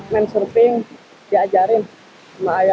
main surfing diajarin sama ayah